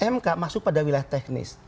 mk masuk pada wilayah teknis